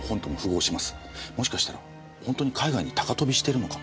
もしかしたら本当に海外に高飛びしてるのかも。